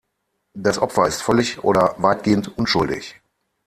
Das Opfer ist völlig oder weitgehend unschuldig.